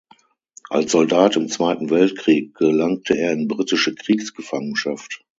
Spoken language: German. Als Soldat im Zweiten Weltkrieg gelangte er in britische Kriegsgefangenschaft.